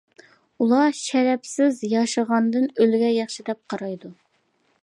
ئۇلار شەرەپسىز ياشىغاندىن ئۆلگەن ياخشى دەپ قارايدۇ.